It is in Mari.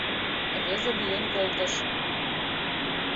Рвезе лӱен колтыш.